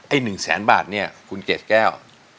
ไอ้หนึ่งแสนบาทเนี่ยคุณเกดแก้ว